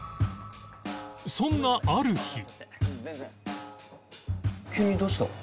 そんなある日